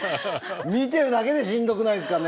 見てるだけでしんどくないですかね。